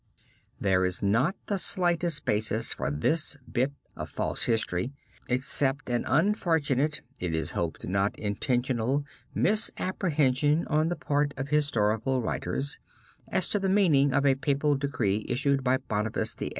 There is not the slightest basis for this bit of false history except an unfortunate, it is to be hoped not intentional, misapprehension on the part of historical writers as to the meaning of a papal decree issued by Boniface VIII.